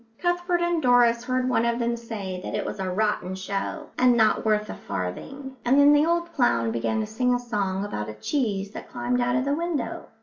Cuthbert and Doris heard one of them say that it was a rotten show and not worth a farthing; and then the old clown began to sing a song about a cheese that climbed out of the window.